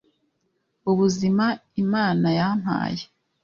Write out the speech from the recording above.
ubuzima imana yampaye